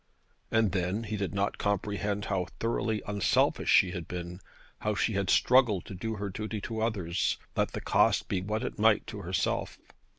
And then he did not comprehend how thoroughly unselfish she had been; how she had struggled to do her duty to others, let the cost be what it might to herself.